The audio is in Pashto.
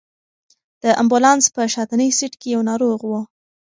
د امبولانس په شاتني سېټ کې یو ناروغ و.